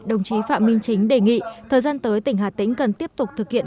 đồng chí phạm minh chính đề nghị thời gian tới tỉnh hà tĩnh cần tiếp tục thực hiện